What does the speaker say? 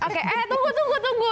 oke eh tunggu tunggu tunggu